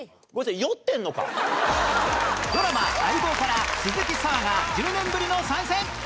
ドラマ『相棒』から鈴木砂羽が１０年ぶりの参戦！